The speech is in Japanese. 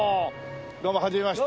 どうもはじめまして。